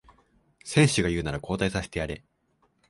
選手が言うなら交代させてやれ